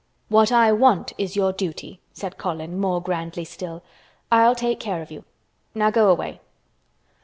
"What I want is your duty" said Colin more grandly still. "I'll take care of you. Now go away."